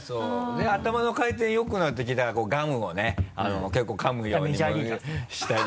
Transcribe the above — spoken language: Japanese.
で頭の回転よくなるって聞いたからこうガムをね結構かむようにしたり。